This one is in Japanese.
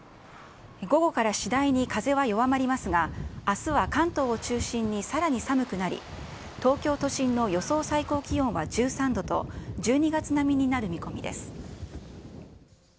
午後から次第に風は弱まりますが、あすは関東を中心にさらに寒くなり、東京都心の予想最高気温は１３度と、１２月並みになる見込みです。